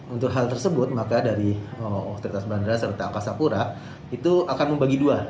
untuk hal tersebut maka dari otoritas bandara serta angkasa pura itu akan membagi dua